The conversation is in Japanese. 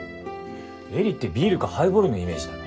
絵里ってビールかハイボールのイメージだな。